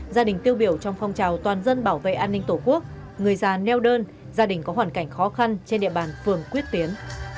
gia đình tiêu biểu trong phong trào toàn dân bảo vệ an ninh tổ quốc người già neo đơn gia đình có hoàn cảnh khó khăn trên địa bàn phường quyết tiến